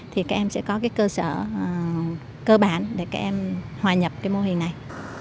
thì các em sẽ có cái cơ sở cơ bản để các em hòa nhập cái mô hình này